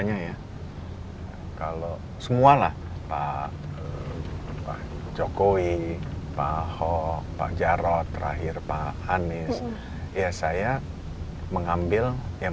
kinerjanya ya kalau semualah pak jokowi pak ho pak jarod terakhir pak hanis ya saya mengambil yang